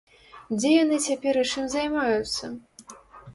Дзе яны цяпер і чым займаюцца?